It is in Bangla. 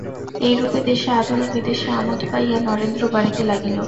এই রূপে দেশে আদর ও বিদেশে আমোদ পাইয়া নরেন্দ্র বাড়িতে লাগিল।